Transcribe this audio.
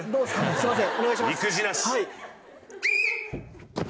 すいません。